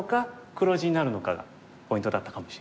黒地になるのかがポイントだったかもしれない。